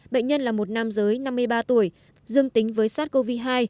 bệnh nhân là một nam giới năm mươi ba tuổi dương tính với sars cov hai